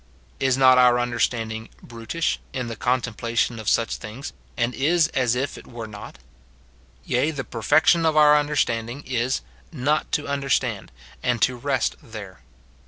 Is not our understanding " brutish" in the contemplation of such things, and is as if it were not ? Yea, the perfection of our understanding is, not to understand, and to rest there.